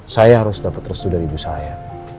saya harus dapat restu dari ibu saya